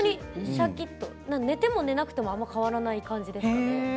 寝ても寝なくてもあまり変わらない感じですかね。